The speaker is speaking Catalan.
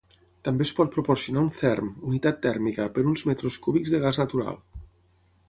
També es pot proporcionar un therm, unitat tèrmica, per uns metres cúbics de gas natural.